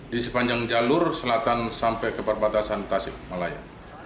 di sepanjang jalur selatan sampai ke perbatasan tasik malaya